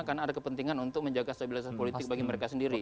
karena ada kepentingan untuk menjaga stabilitas politik bagi mereka sendiri